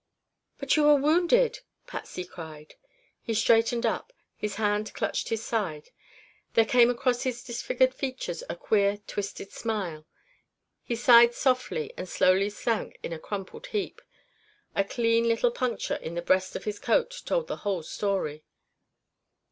"But you are wounded " Patsy cried. He straightened up his hand clutched his side there came across his disfigured features a queer twisted smile he sighed softly and slowly sank in a crumpled heap. A clean little puncture in the breast of his coat told the whole story.